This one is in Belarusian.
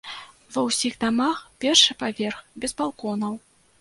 Ва ўсіх дамах першы паверх без балконаў!